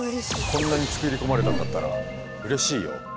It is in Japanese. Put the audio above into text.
こんなに作り込まれたんだったらうれしいよ！